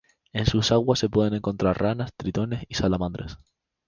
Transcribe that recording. En sus aguas se pueden encontrar ranas, tritones y salamandras.